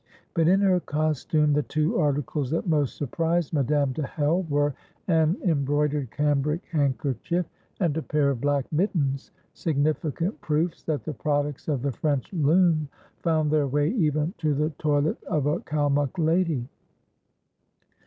But in her costume the two articles that most surprised Madame de Hell were an embroidered cambric handkerchief and a pair of black mittens, significant proofs that the products of the French loom found their way even to the toilet of a Kalmuk lady.